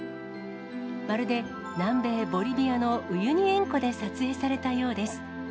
まるで、南米ボリビアのウユニ塩湖で撮影されたようです。